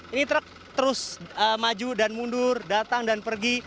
ini truk terus maju dan mundur datang dan pergi